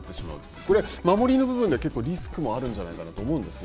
これは守りの部分ではリスクがあるんじゃないかと思うのですが。